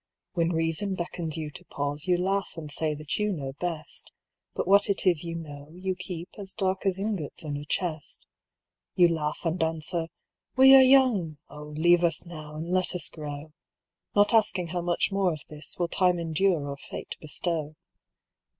"When Reason beckons you to pause, You laugh and say that you know best; But what it is you know, you keep As dark as ingots in a chest. "You laugh and answer, 'We are young; O leave us now, and let us grow.' Not asking how much more of this Will Time endure or Fate bestow.